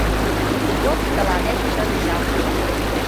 Вот тыланет чын жап.